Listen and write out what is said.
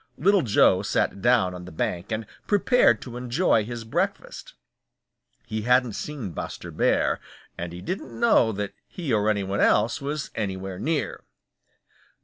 Little Joe sat down on the bank and prepared to enjoy his breakfast. He hadn't seen Buster Bear, and he didn't know that he or any one else was anywhere near.